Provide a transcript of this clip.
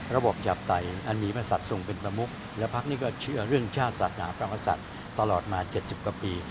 หยาบไตอันมีพระศัตว์ทรงเป็นประมุกและพักนี้ก็เชื่อเรื่องชาติศาสนาพระกษัตริย์ตลอดมา๗๐กว่าปี